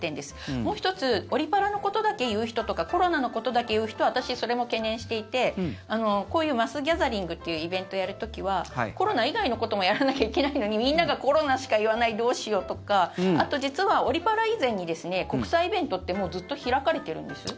もう１つオリ・パラのことだけ言う人とかコロナのことだけ言う人は私は、それも懸念していてこういうマスギャザリングっていうイベントをやる時はコロナ以外のこともやらなきゃいけないのにみんながコロナしか言わないどうしようとかあと、実はオリ・パラ以前に国際イベントってもうずっと開かれているんです。